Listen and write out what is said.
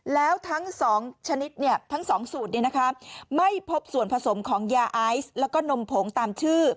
แล้วทั้ง๒ชนิดทั้ง๒สูตรไม่พบส่วนผสมของยาไอซ์แล้วก็นมผงตามชื่อ